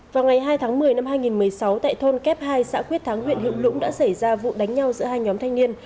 vào ngày hai tháng một mươi năm hai nghìn một mươi sáu tại thôn kép hai xã quyết thắng huyện hữu lũng đã xảy ra vụ đánh nhau giữa hai nhóm thanh niên